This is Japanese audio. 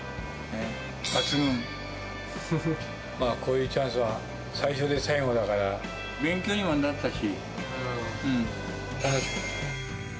まあこういうチャンスは最初で最後だから勉強にもなったし。